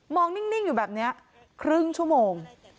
นิ่งอยู่แบบนี้ครึ่งชั่วโมง